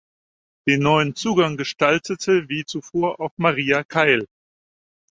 Den neuen Zugang gestaltete wie zuvor auch Maria Keil.